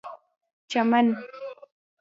چمن